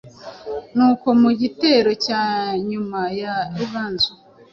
Nuko mu gitero cya nyuma cya Ruganzu